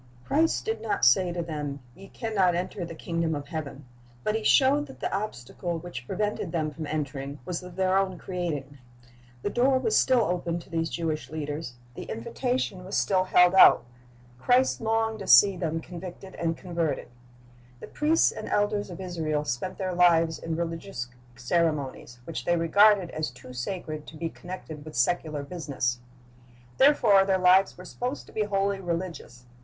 Christ did not say to them. Ye can not enter the kingdom of heaven ; but He showed that the obstacle which prevented them from entering was of their own creating. The door was still open to these Jewish leaders; the invitation was still the Spirit of God like a dove rested upon Him." 2/8 Christ's Object Lessons held out. Christ longed to see them convicted and converted. The priests and elders of Israel spent their lives in relig ious ceremonies, which they regarded as too sacred to be connected with secular business. Therefore their lives were supposed to be wholly religious.